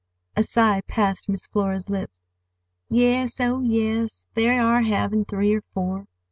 A sigh passed Miss Flora's lips. "Yes, oh, yes; they are having three or four.